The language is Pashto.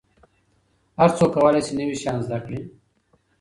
هر څوک کولای سي نوي شیان زده کړي.